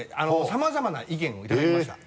さまざまな意見をいただきました。